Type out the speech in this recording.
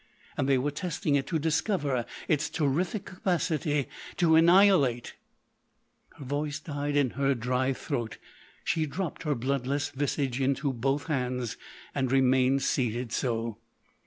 —and they were testing it to discover its terrific capacity to annihilate——" Her voice died in her dry throat; she dropped her bloodless visage into both hands and remained seated so.